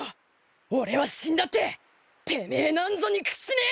俺は死んだっててめえなんぞに屈しねえ！